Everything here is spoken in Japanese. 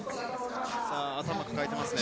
頭を抱えていますね。